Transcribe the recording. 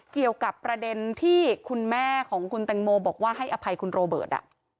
เกี่ยวกับประเด็นที่คุณแม่ของคุณแตงโมบอกว่าให้อภัยคุณโรเบิร์ต